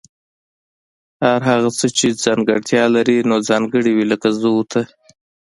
هر هغه څه چي ځانګړتیا لري نو ځانګړي وي لکه زه او ته